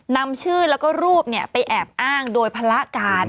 นำชื่อแล้วก็รูปไปแอบอ้างโดยภาระการ